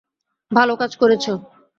ভালো কাজ করেছো।